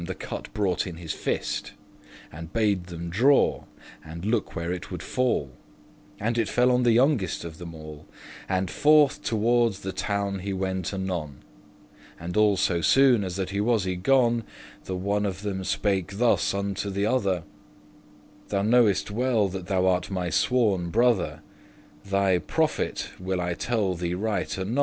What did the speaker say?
Then one of them the cut brought in his fist, And bade them draw, and look where it would fall; And it fell on the youngest of them all; And forth toward the town he went anon. And all so soon as that he was y gone, The one of them spake thus unto the other; "Thou knowest well that thou art my sworn brother, *Thy profit* will I tell thee right anon.